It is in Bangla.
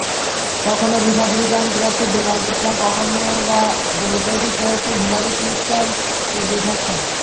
কখনো রিপাবলিকান প্রার্থী ডোনাল্ড ট্রাম্প, কখনোবা ডেমোক্রেটিক প্রার্থী হিলারি ক্লিনটন এগিয়ে থাকছেন।